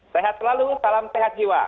sehat selalu salam sehat jiwa